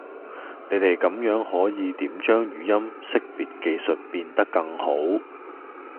你地咁樣可以點將語音識別技術變得更好?